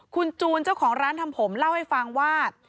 คุณจูนเจ้าของร้านทำผมเล่าให้ฟังว่า